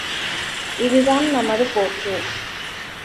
இதுதான் நமது போக்கு!